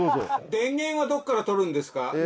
電源はどこから取るんですか？